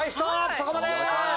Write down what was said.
そこまで！